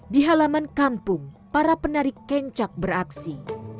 di halaman kampung para penarik kencak beraksi